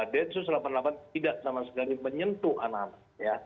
densus delapan puluh delapan tidak sama sekali menyentuh anak anak ya